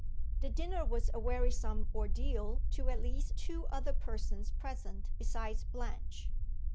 The dinner was a wearisome ordeal to at least two other persons present besides Blanche.